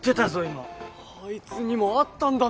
今あいつにもあったんだ